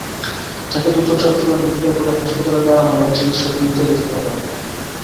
তাঁকে দ্রুত Chittagong medical college হাসাপাতালে নেওয়া হলে চিকিৎসক মৃত ঘোষণা করেন।